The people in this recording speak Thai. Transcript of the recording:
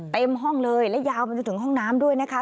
เต็มห้องเลยและยาวมาจนถึงห้องน้ำด้วยนะคะ